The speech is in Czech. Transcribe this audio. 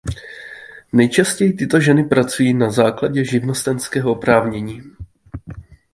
Nejčastěji tyto ženy pracují na základě živnostenského oprávnění.